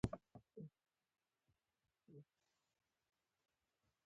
ورته ومي د بصارت او بصیرت توپیر همد دادی،